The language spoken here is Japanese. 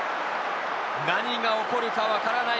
何が起こるかわからない。